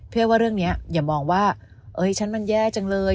เพื่อว่าเรื่องนี้อย่ามองว่าเอ้ยฉันมันแย่จังเลย